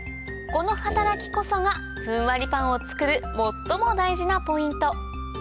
この働きこそがふんわりパンを作る最も大事なポイント